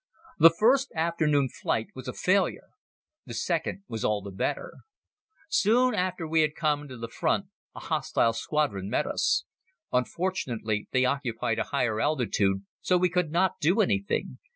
The first afternoon flight was a failure. The second was all the better. Soon after we had come to the front a hostile squadron met us. Unfortunately they occupied a higher altitude so we could not do anything.